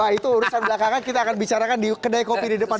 wah itu urusan belakangan kita akan bicarakan di kedai kopi di depan